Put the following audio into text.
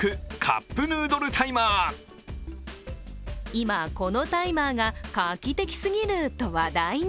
今、このタイマーが画期的すぎると話題に。